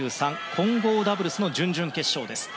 混合ダブルスの準々決勝です。